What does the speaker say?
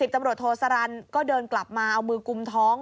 ตำรวจโทษสารันก็เดินกลับมาเอามือกุมท้อง